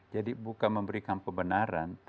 jadi bukan memberikan pembenaran